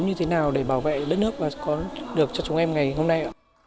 như thế nào để bảo vệ đất nước và có được cho chúng em ngày hôm nay ạ